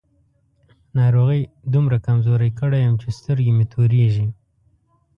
ناروغۍ دومره کمزوری کړی يم چې سترګې مې تورېږي.